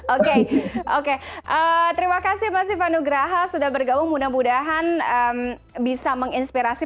oke oke terima kasih pak sivanugraha sudah bergabung mudah mudahan bisa menginspirasi